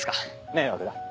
迷惑だ。